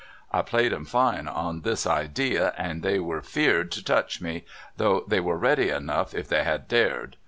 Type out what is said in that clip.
I played 'em fine on this idee, and they were afeard 10 touch me, though they were ready enough if tliey had dared.